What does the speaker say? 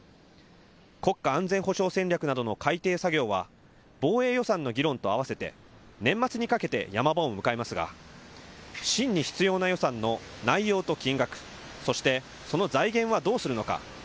国家安全保障戦略などの改定作業は防衛予算の議論と合わせて年末にかけてヤマ場を迎えますが真に必要な予算の内容と金額、そして、その財源はどうするのか